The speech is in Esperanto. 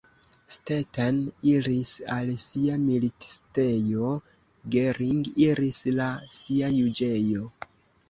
Stetten iris al sia militistejo, Gering iris al sia juĝejo.